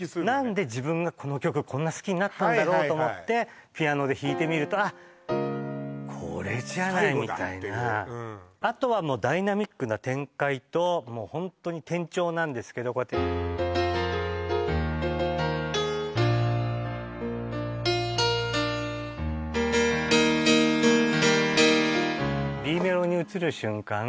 何で自分がこの曲こんな好きになったんだろうと思ってピアノで弾いてみると「あこれじゃない」みたいなあとはダイナミックな展開とホントに転調なんですけどこうやってＢメロに移る瞬間